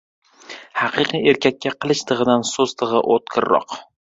• Haqiqiy erkakka qilich tig‘idan so‘z tig‘i o‘tkirroq.